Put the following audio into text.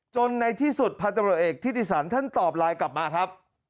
ในที่สุดพันธบริเอกทิติสันท่านตอบไลน์กลับมาครับ